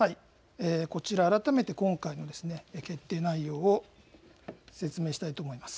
こちら改めて今回の決定内容を説明したいと思います。